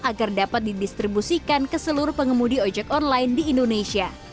agar dapat didistribusikan ke seluruh pengemudi ojek online di indonesia